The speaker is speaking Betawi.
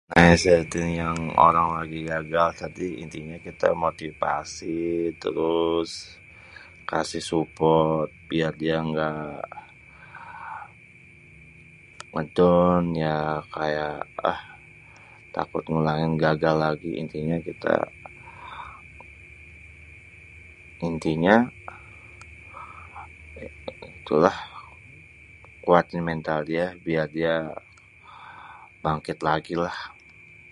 Nasehatin orang lagi gagal tadi intinya kita motivasi. Terus kasih support biar dia nggak ngè-down. Ya kayak takut ngulangin gagal lagi intinya kita, intinya, itulah kuatin mental dia biar dia bangkit lagi lah.